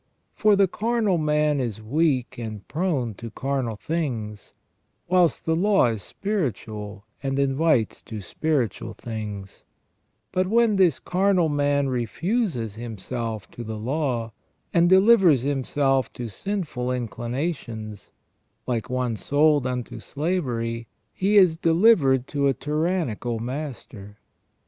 For the carnal man is weak and prone to carnal things, whilst the law is spiritual and invites to spiritual things ; but when this carnal man refuses him self to the law, and delivers himself to sinful inclinations, like one sold unto slavery, he is delivered to a tyrannical master.